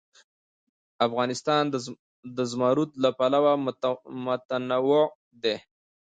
افغانستان د زمرد له پلوه متنوع دی.